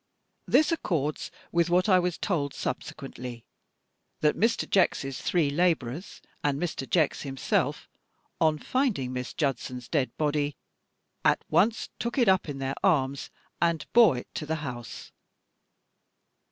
"This accords with what I was told subsequently — that Mr. Jex's three labourers, and Mr. Jex himself, on finding Miss Judson's dead body, at once took it up in their arms and bore it to the house.